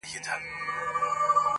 ساقي واخله ټول جامونه پرې خړوب که,